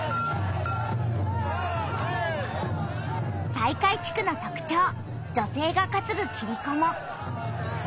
西海地区のとくちょう女性がかつぐキリコも。